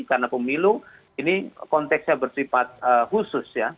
karena pemilu ini konteksnya bersifat khusus ya